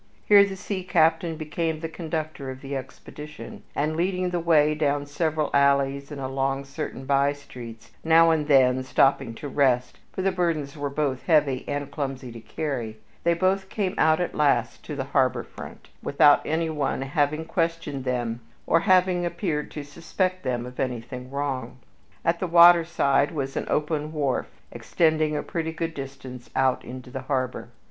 Here the sea captain became the conductor of the expedition, and leading the way down several alleys and along certain by streets now and then stopping to rest, for the burdens were both heavy and clumsy to carry they both came out at last to the harbor front, without anyone having questioned them or having appeared to suspect them of anything wrong. At the waterside was an open wharf extending a pretty good distance out into the harbor.